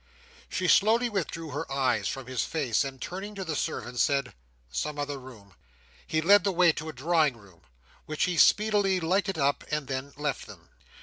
She slowly withdrew her eyes from his face, and turning to the servant, said, "Some other room." He led the way to a drawing room, which he speedily lighted up and then left them.